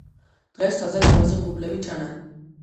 დღეს ცაზე ლამაზი ღრუბლები ჩანან